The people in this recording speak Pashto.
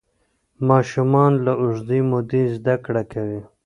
ماشومان له اوږدې مودې زده کړه کوي.